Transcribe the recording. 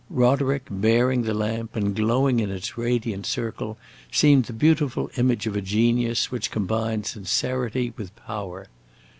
Roderick, bearing the lamp and glowing in its radiant circle, seemed the beautiful image of a genius which combined sincerity with power.